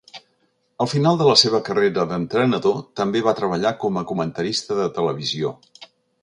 Al final de la seva carrera d'entrenador, també va treballar com a comentarista de televisió.